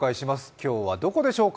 今日はどこでしょうか？